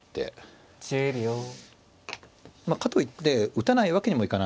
まあかといって打たないわけにもいかない。